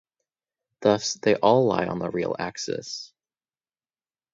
Thus they lie all on the real axis.